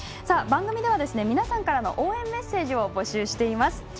番組では皆さんからの応援メッセージを募集しています。